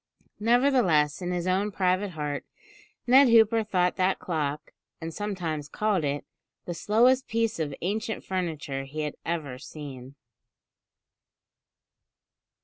Nevertheless, in his own private heart, Ned Hooper thought that clock and sometimes called it "the slowest piece of ancient furniture he had ever seen."